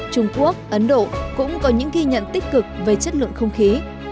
trung quốc ấn độ cũng có những ghi nhận tích cực về chất lượng không khí